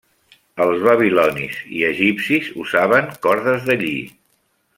Els babilonis i egipcis usaven cordes de lli.